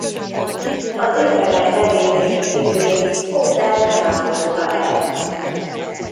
Az étterem nevét és címét Hopper nem árulta el.